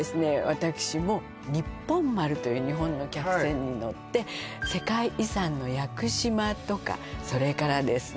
私もという日本の客船に乗って世界遺産の屋久島とかそれからですね